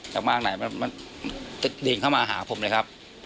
มากไหนมันจะดิ่งเข้ามาหาผมเลยครับ